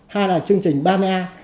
hai là chương trình ba mea